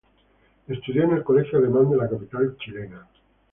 Estudió en el Colegio Alemán de la capital chilena.